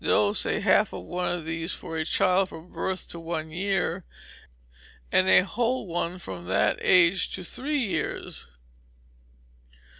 Dose, half of one of these for a child from birth to one year, and a whole one from that age to three years.